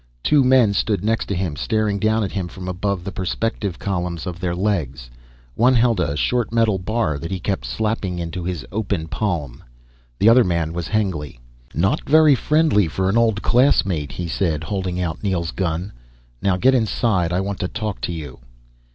Two men stood next to him, staring down at him from above the perspective columns of their legs. One held a short metal bar that he kept slapping into his open palm. The other man was Hengly. "Not very friendly for an old classmate," he said, holding out Neel's gun. "Now get inside, I want to talk to you."